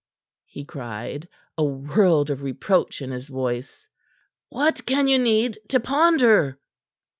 he cried, a world of reproach in his voice. "What can you need to ponder?"